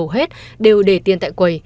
hết đều để tiền tại quầy